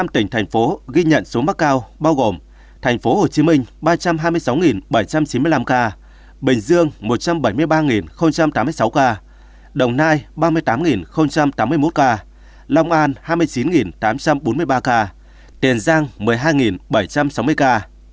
năm tỉnh thành phố ghi nhận số mắc cao bao gồm thành phố hồ chí minh ba trăm hai mươi sáu bảy trăm chín mươi năm ca bình dương một trăm bảy mươi ba tám mươi sáu ca đồng nai ba mươi tám tám mươi một ca lòng an hai mươi chín tám trăm bốn mươi ba ca tiền giang một mươi hai bảy trăm sáu mươi ca